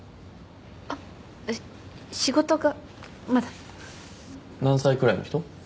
あっ仕事がまだ何歳くらいの人？